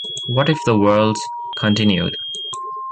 What if the worlds continued?